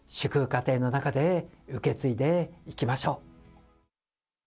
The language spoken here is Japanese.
家庭の中で受け継いでいきましょう。